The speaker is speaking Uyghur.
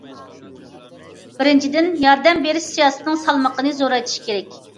بىرىنچىدىن، ياردەم بېرىش سىياسىتىنىڭ سالمىقىنى زورايتىش كېرەك.